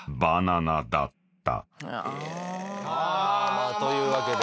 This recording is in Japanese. まあというわけで。